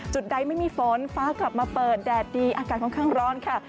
ใดไม่มีฝนฟ้ากลับมาเปิดแดดดีอากาศค่อนข้างร้อนค่ะ